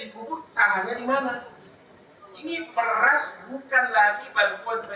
beras bantuan presiden sudah dikirimkan